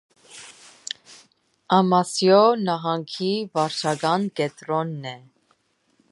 Ամասիոյ նահանգի վարչական կեդրոնն է։